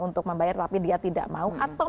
untuk membayar tapi dia tidak mau atau